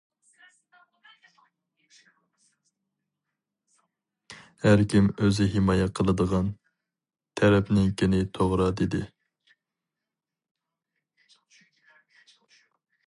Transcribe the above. ھەركىم ئۆزى ھىمايە قىلىدىغان تەرەپنىڭكىنى توغرا دېدى.